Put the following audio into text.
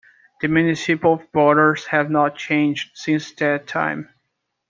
The municipal borders have not changed since that time.